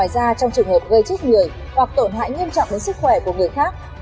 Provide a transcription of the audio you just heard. gây chết người hoặc tổn hại nghiêm trọng đến sức khỏe của người khác